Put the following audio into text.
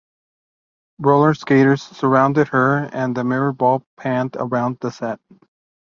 Roller skaters surrounded her and the mirrorball panned around the set.